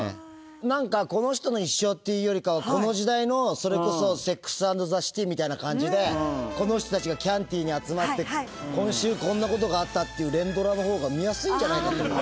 何かこの人の一生っていうよりかはこの時代のそれこそ『ＳＥＸａｎｄｔｈｅＣＩＴＹ』みたいな感じでこの人たちがキャンティに集まって今週こんなことがあったっていう連ドラのほうが見やすいんじゃないかって思う。